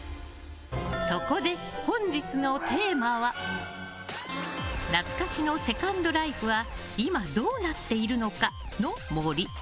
そこで、本日のテーマは懐かしのセカンドライフはどうなっているのか？の森。